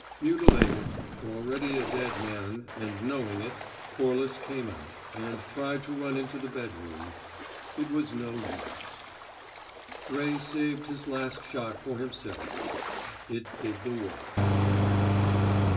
Mutilated, already a dead man, and knowing it, Corliss came out, and tried to run into the bedroom. It was no use. Ray saved his last shot for himself. It did the work.